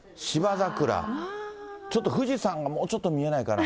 ちょっと富士山、もうちょっと見えないかな。